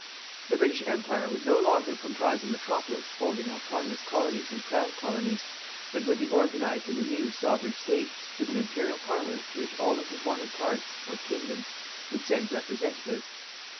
The British Empire would no longer comprise a Metropolis holding autonomous Colonies and Crown Colonies, but would be organized in a new Sovereign State with an Imperial Parliament to which all the component parts or Kingdoms would send representatives.